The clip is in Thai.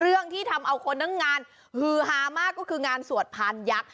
เรื่องที่ทำเอาคนทั้งงานฮือฮามากก็คืองานสวดพานยักษ์